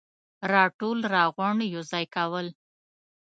راټول ، راغونډ ، يوځاي کول,